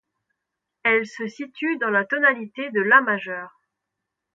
Elle se situe dans la tonalité de La majeur.